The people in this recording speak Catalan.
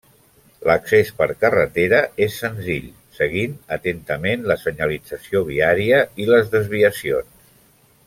L’accés per carretera és senzill seguint atentament la senyalització viària i les desviacions.